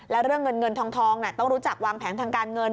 แล้วเรื่องเงินเงินทองต้องรู้จักวางแผนทางการเงิน